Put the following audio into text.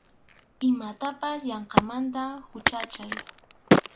Imatapas yanqamanta huchachay.